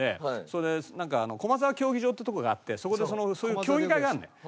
それでなんか駒沢競技場ってとこがあってそこでそういう競技会があるのよ。